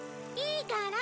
いいから。